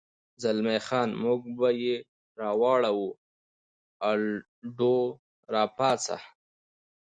زلمی خان: موږ به یې راوړو، الډو، را پاڅه.